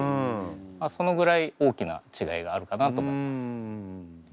そのぐらい大きな違いがあるかなと思ってます。